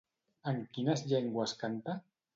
En quines llengües canta?